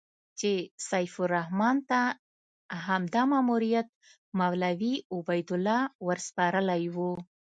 چې سیف الرحمن ته همدا ماموریت مولوي عبیدالله ورسپارلی و.